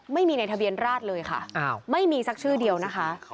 ไม่มีในทะเบียนราชเลยค่ะไม่มีสักชื่อเดียวนะคะ